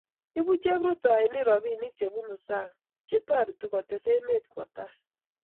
ibu cheprutoinik robik che bunu sang' che toritu kotes emet kowo tai